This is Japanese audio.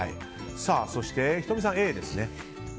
そして仁美さん、Ａですね。